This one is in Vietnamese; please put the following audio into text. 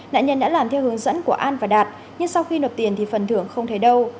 nạn nhân đã làm theo hướng dẫn của an và đạt nhưng sau khi nộp tiền thì phần thưởng không thấy đâu